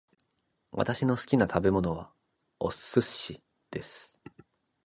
私の好きな食べ物はお寿司です